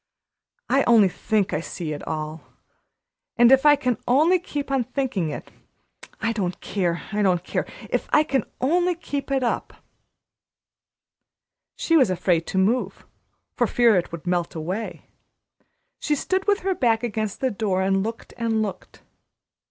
I only think I see it all; but if I can only keep on thinking it, I don't care I don't care if I can only keep it up!" She was afraid to move, for fear it would melt away. She stood with her back against the door and looked and looked.